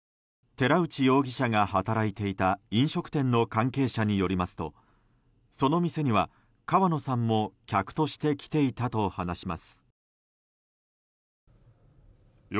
寺内容疑者が働いていた飲食店の関係者によりますとその店には川野さんも客として来ていたと話します。